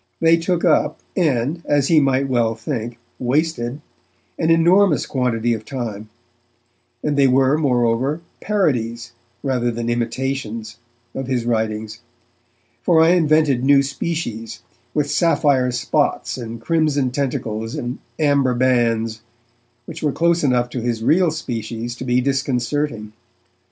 They took up, and, as he might well think, wasted, an enormous quantity of time; and they were, moreover, parodies, rather than imitations, of his writings, for I invented new species, with sapphire spots and crimson tentacles and amber bands, which were close enough to his real species to be disconcerting.